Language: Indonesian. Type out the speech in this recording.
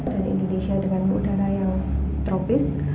dan indonesia dengan udara yang tropis